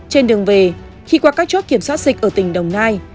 trên đường về khi qua các chốt kiểm soát dịch ở tỉnh đồng nai